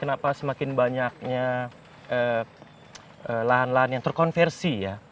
kenapa semakin banyaknya lahan lahan yang terkonversi ya